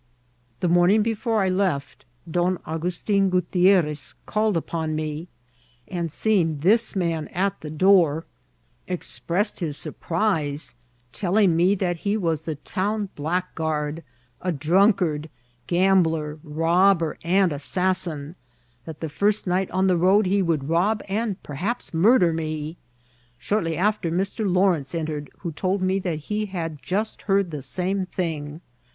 The morning before I left, Don Augnstin Gutierres called upon me, and seeing this man at the door, ex 878 IirClSBNTI OP TEATBL. pressed his surprise, telling me that he was the town blackguard, a drunkard, gambler, robber, and assassin ; that the first night on the road he would rob, and perhaps murder me. Shortly after Mr. Lawrence entered, who told me that he had just heard the same thing.